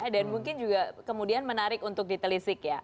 dan mungkin juga kemudian menarik untuk ditelisik ya